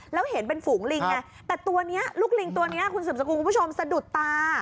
แล้วเห็นเป็นฝูงลิงไงแต่ตัวนี้ลูกลิงตัวนี้คุณสืบสกุลคุณผู้ชมสะดุดตา